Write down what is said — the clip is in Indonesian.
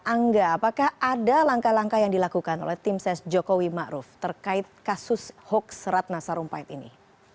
angga apakah ada langkah langkah yang dilakukan oleh tim ses jokowi ⁇ maruf ⁇ terkait kasus hoax ratna sarumpait ini